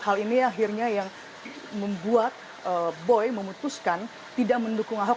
hal ini akhirnya yang membuat boy memutuskan tidak mendukung ahok